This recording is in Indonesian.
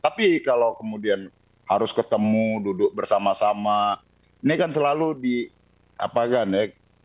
tapi kalau kemudian harus ketemu duduk bersama sama ini kan selalu diapakan ya